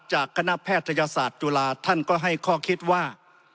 จากคณะแพทยศาสตร์จุฬาท่านก็ให้ข้อคิดว่า